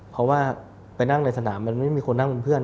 เพราะว่าไปนั่งในสนามมันไม่มีคนนั่งเป็นเพื่อน